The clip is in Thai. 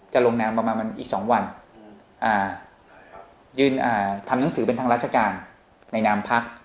ลงนามประมาณอีก๒วันยืนทำหนังสือเป็นทางราชการในนามพัก